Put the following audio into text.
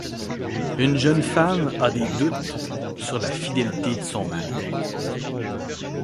Une jeune femme a des doutes sur la fidélité de son mari.